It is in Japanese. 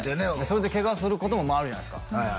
それでケガすることもあるじゃないですか